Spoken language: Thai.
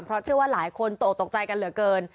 เพราะเชื่อว่าหลายคนตกตกใจกันเหลือเกิน